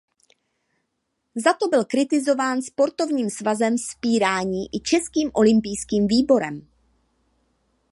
Za to byl kritizován sportovním svazem vzpírání i Českým olympijským výborem.